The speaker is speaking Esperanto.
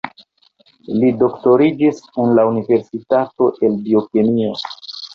Li doktoriĝis en la universitato el biokemio.